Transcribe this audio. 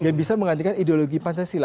yang bisa menggantikan ideologi pancasila